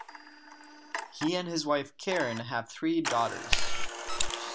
He and his wife Karen have three daughters.